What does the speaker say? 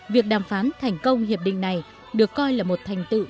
việc đàm phán thành công hiệp định này được coi là một thành tựu